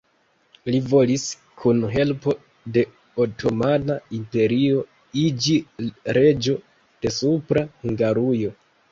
Li volis, kun helpo de Otomana Imperio, iĝi reĝo de Supra Hungarujo.